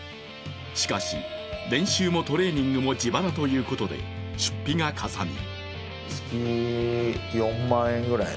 しかし、練習もトレーニングも自腹ということで出費がかさみ